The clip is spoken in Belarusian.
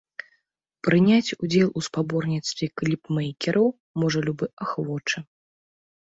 Прыняць удзел у спаборніцтве кліпмэйкераў, можа любы ахвочы.